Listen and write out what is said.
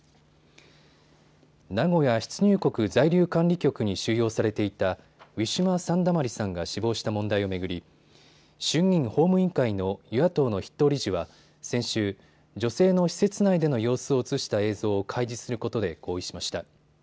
名古屋出入国在留管理局に収容されていたウィシュマ・サンダマリさんが死亡した問題を巡り衆議院法務委員会の与野党の筆頭理事は先週、女性の施設内での様子を写した映像を開示することで合意しました。